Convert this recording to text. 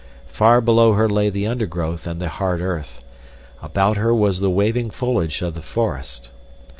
Far below her lay the undergrowth and the hard earth. About her was the waving foliage of the forest.